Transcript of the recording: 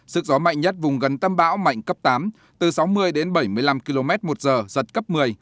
sức gió mạnh nhất vùng gần tâm bão mạnh cấp tám từ sáu mươi đến bảy mươi năm km một giờ giật cấp một mươi